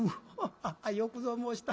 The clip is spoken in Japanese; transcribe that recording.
「ハハよくぞ申した。